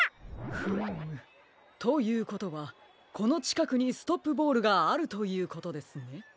フーム。ということはこのちかくにストップボールがあるということですね。